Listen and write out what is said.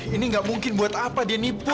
ini gak mungkin buat apa dia nipu